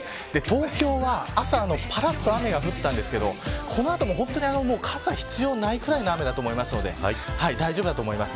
東京は、朝ぱらっと雨が降ったんですが、この後も傘は必要ないくらいの雨だと思うので大丈夫だと思います。